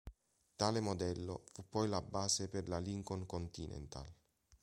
Tale modello fu poi la base per la Lincoln Continental.